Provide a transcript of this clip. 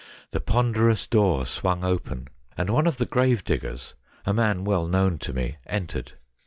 the ponderous door swung open, and one of the gravediggers, a man well known to me, entered.